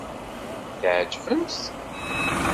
Tɛejbem-t!